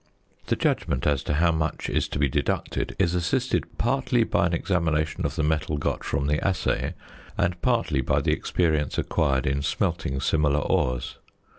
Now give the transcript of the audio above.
The judgment as to how much is to be deducted is assisted partly by an examination of the metal got from the assay, and partly by the experience acquired in smelting similar ores.